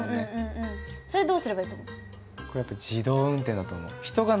それはどうすればいいと思う？